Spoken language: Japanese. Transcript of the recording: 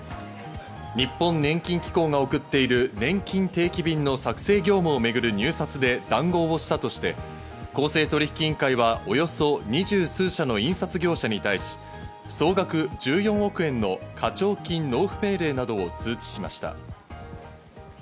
日本年金機構が送っている、ねんきん定期便の作成業務をめぐる入札で談合をしたとして、公正取引委員会はおよそ２０数社の印刷業者に対し、総額１４億円の課徴金納付命令などを通知しました。